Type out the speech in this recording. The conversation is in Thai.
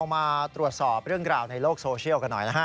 มาตรวจสอบเรื่องราวในโลกโซเชียลกันหน่อยนะฮะ